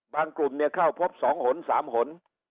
บางกลุ่มเนี่ยข้าวพบสองหนสามหน